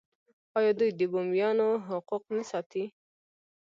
آیا دوی د بومیانو حقوق نه ساتي؟